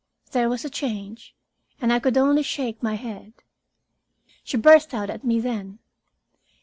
There was a change, and I could only shake my head. She burst out at me then.